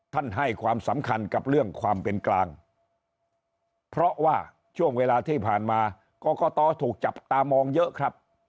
ให้ความสำคัญกับเรื่องความเป็นกลางเพราะว่าช่วงเวลาที่ผ่านมากรกตถูกจับตามองเยอะครับ